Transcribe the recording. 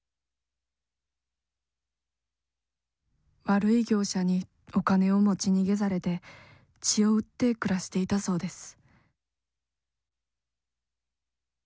「悪い業者にお金を持ち逃げされて血を売って暮らしていたそうです」。